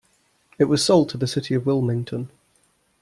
It was sold to the city of Wilmington.